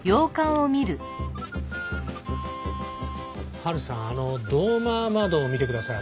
ハルさんあのドーマー窓を見てください。